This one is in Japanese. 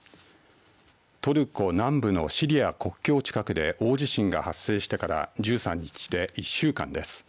トルコ南部のシリア国境近くで大地震が発生してから１３日で１週間です。